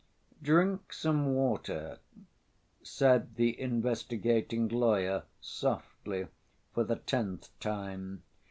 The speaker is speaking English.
"Drink some water," said the investigating lawyer softly, for the tenth time.